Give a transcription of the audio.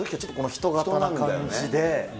人型な感じで。